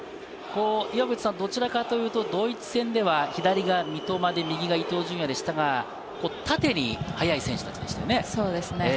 どちらかというとドイツ戦では左が三笘で、右が伊東純也でしたが、縦に速い選手たちなんですよね。